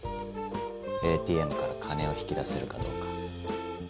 ＡＴＭから金を引き出せるかどうか。